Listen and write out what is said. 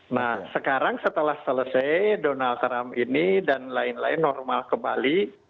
nah sekarang setelah selesai donald trump ini dan lain lain normal kembali